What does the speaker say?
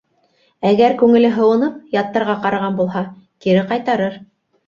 Әгәр күңеле һыуынып, яттарға ҡараған булһа, кире ҡайтарыр.